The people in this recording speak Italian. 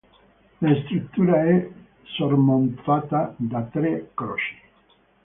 La struttura è sormontata da tre croci.